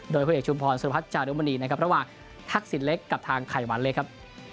โดยคุณเอกชุมพรสุรพัฒน์จารุมณีนะครับระหว่างทักษิณเล็กกับทางไขวันเล็กครับ